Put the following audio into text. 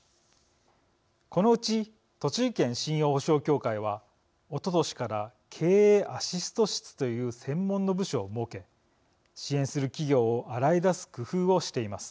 このうち栃木県信用保証協会はおととしから経営アシスト室という専門の部署を設け支援する企業を洗いだす工夫をしています。